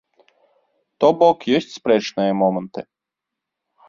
То бок, ёсць спрэчныя моманты.